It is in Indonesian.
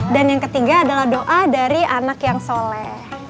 dan yang ketiga adalah doa dari anak yang soleh